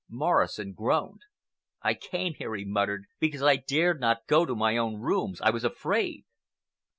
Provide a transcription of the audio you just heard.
Morrison groaned. "I came here," he muttered, "because I dared not go to my own rooms. I was afraid!"